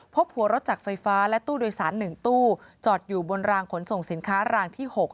พบหัวรถจักรไฟฟ้าและตู้โดยสาร๑ตู้จอดอยู่บนรางขนส่งสินค้ารางที่๖